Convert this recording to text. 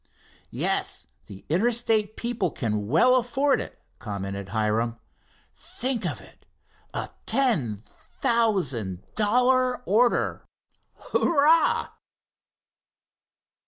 "Yes, the Interstate people can well afford it," commented Hiram. "Think of it: a ten thousand dollar order! Hurrah!"